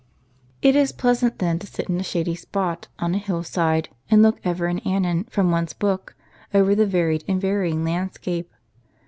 It is pleasant then to sit in a shady spot, on a hill side, and look ever and anon, from one's book, over the varied and varying landscape.